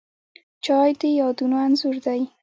چای د یادونو انځور دی